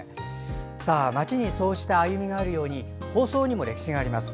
街にそうした歩みがあるように放送にも歴史があります。